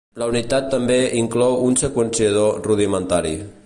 La unitat també inclou un seqüenciador rudimentari.